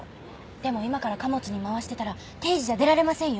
でも今から貨物に回してたら定時じゃ出られませんよ。